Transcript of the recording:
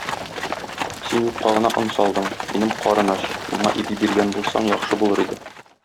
Син юкка гына он салдың, минем карын ач, миңа ипи биргән булсаң, яхшы булыр иде.